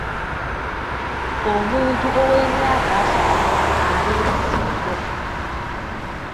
Omuntu ow'emyaka asatu abeera si muto.